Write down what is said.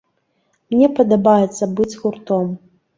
Мне падабаецца быць з гуртом.